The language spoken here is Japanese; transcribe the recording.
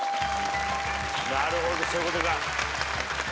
なるほどそういうことか。